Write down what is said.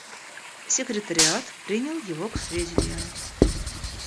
Секретариат принял его к сведению.